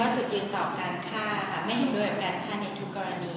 จุดยืนต่อการฆ่าไม่เห็นด้วยกับการฆ่าในทุกกรณี